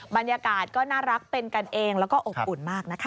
บรรยากาศก็น่ารักเป็นกันเองแล้วก็อบอุ่นมากนะคะ